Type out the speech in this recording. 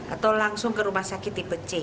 atau langsung ke rumah sakit tipe c